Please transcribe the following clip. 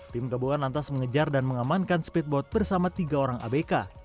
tim gabungan lantas mengejar dan mengamankan speedboat bersama tiga orang abk